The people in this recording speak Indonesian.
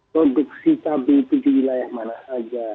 produksi tabi itu di wilayah mana saja